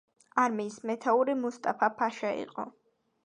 არმიის მეთაური მუსტაფა-ფაშა იყო.